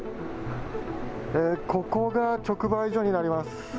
ここが直売所になります。